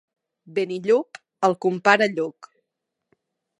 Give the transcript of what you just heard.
Benillup, el compare Lluc.